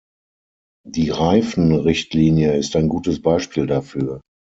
Die Reifenrichtlinie ist ein gutes Beispiel dafür.